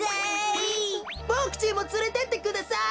ボクちんもつれてってください。